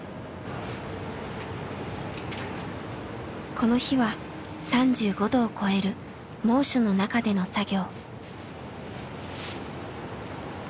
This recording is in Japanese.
この日は３５度を超える猛暑の中での作業。